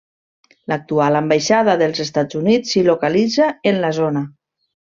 L'actual ambaixada dels Estats Units s'hi localitza en la zona.